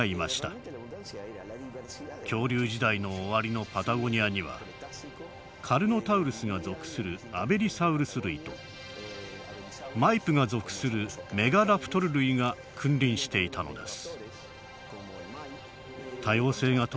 恐竜時代の終わりのパタゴニアにはカルノタウルスが属するアベリサウルス類とマイプが属するメガラプトル類が君臨していたのです。